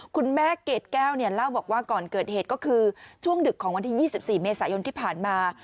คุณแม่เกดแก้วเนี่ยเล่าบอกว่าก่อนเกิดเหตุก็คือช่วงดึกของวันที่๒๔เมษายนที่ผ่านมา